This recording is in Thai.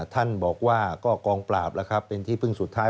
ท่านบอกว่ากองปราบเป็นที่พึ่งสุดท้าย